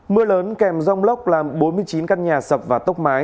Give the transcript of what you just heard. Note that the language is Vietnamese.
mưa lớn kèm rông lốc làm bốn mươi chín căn nhà sập và tốc mái